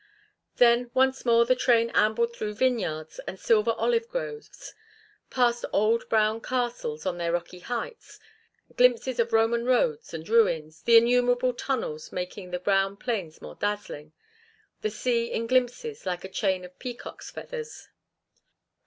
Then once more the train ambled through vineyards and silver olive groves, past old brown castles on their rocky heights, glimpses of Roman roads and ruins, the innumerable tunnels making the brown plains more dazzling, the sea in glimpses like a chain of peacock's feathers.